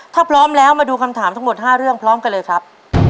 ถ้าพร้อมแล้วมาดูคำถามทั้งหมด๕เรื่องพร้อมกันเลยครับ